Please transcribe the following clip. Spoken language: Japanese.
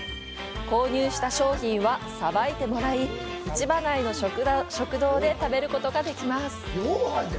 購入した商品は、さばいてもらい、市場内の食堂で食べることができます。